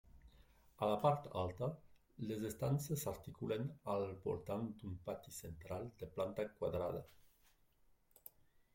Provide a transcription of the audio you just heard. A la part alta, les estances s'articulen al voltant d'un pati central de planta quadrada.